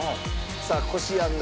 さあこしあんが。